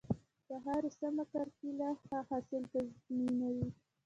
د خاورې سمه کرکيله ښه حاصل تضمینوي.